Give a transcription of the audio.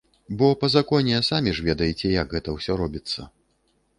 Бо па законе, самі ж ведаеце, як гэта ўсё робіцца.